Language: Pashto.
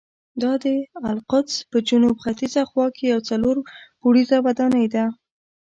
دا د القدس په جنوب ختیځه خوا کې یوه څلور پوړیزه ودانۍ ده.